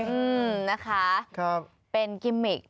อืมนะคะเป็นกิมมิก